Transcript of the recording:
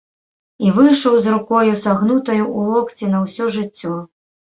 І выйшаў з рукою, сагнутаю ў локці на ўсё жыццё.